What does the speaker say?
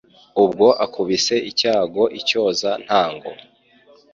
Ubwo akubise icyago icyoza ntango.